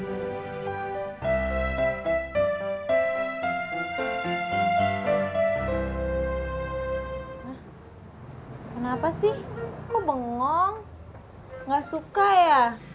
mak kenapa sih kok bengong gak suka ya